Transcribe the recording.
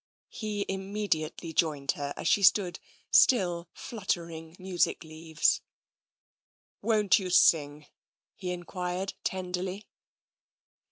He immediately joined her as she stood, still flut tering music leaves. " Won't you sing ?'' he enquired tenderly.